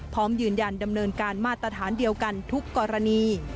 พร้อมยืนยันดำเนินการมาตรฐานเดียวกันทุกกรณี